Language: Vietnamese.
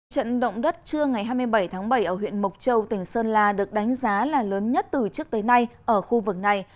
trận động đất trưa ngày hai mươi bảy tháng bảy ở huyện mộc châu tỉnh sơn la được đánh giá là lớn nhất từ trước tới nay ở khu vực này